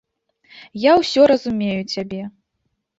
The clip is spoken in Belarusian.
Я ўсё разумею цябе.